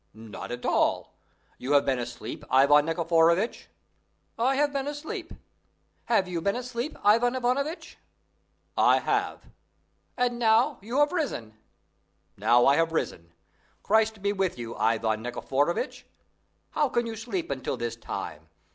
"Not at all. You have been asleep, Ivan Nikiforovitch?" "I have been asleep. Have you been asleep, Ivan Ivanovitch?" "I have." "And now you have risen?" "Now I have risen. Christ be with you, Ivan Nikiforovitch! How can you sleep until this time?